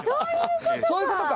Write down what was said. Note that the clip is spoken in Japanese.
そういうことか。